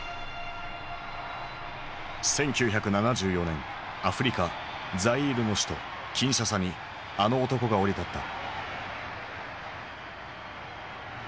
１９７４年アフリカザイールの首都キンシャサにあの男が降り立った。